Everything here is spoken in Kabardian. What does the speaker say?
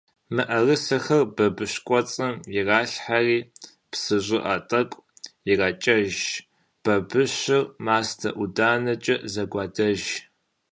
МыӀэрысэхэр бабыщ кӀуэцӀым иралъхьэри, псы щӀыӀэ тӀэкӀу иракӀэж, бабыщыр мастэ-ӀуданэкӀэ зэгуадэж.